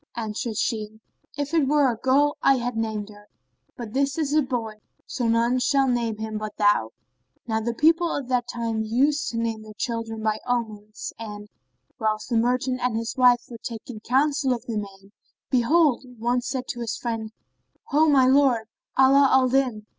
Answered she, "If it were a girl I had named her; but this is a boy, so none shall name him but thou." Now the people of that time used to name their children by omens; and, whilst the merchant and his wife were taking counsel of the name, behold, one said to his friend, "Ho my lord, Ala al Din!"